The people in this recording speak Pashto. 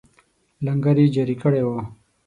لنګر یې جاري کړی وو.